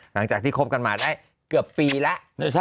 หลังจากที่คบกันมาได้เกือบปีแล้ว